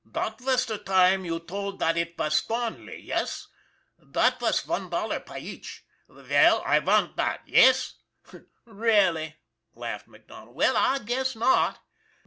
" Dot vas der time you told dot it vas Thornley yess ? Dot vas von dollar py each. Veil, I vant dot yess?" " Really !" laughed MacDonald. "Well, I guess not!